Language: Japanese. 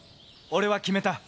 俺は決めた。